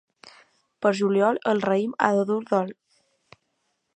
Pel juliol el raïm ha de dur dol.